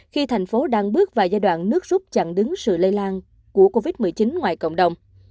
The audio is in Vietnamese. khi thành phố đang bước vào giai đoạn nước rút chặn đứng sự lây lan của covid một mươi chín ngoài cộng đồng